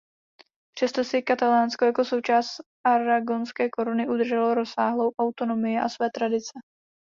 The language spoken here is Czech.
Přesto si Katalánsko jako součást Aragonské koruny udrželo rozsáhlou autonomii a své tradice.